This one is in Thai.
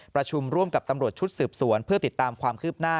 ประชุมร่วมกับตำรวจชุดสืบสวนเพื่อติดตามความคืบหน้า